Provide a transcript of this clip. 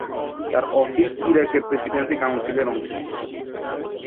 তার অফিস ইরাকের প্রেসিডেন্সি কাউন্সিলের অংশ ছিল।